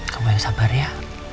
kamu yang sabar ya